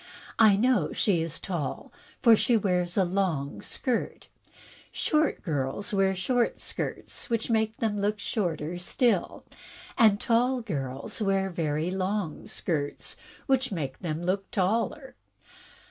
I know she is tall, for she wears a long skirt. Short girls wear short skirts, which make them look shorter still, and tall girls wear very long skirts, which make them look taller."